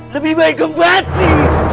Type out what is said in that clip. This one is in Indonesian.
lebih baik kau mati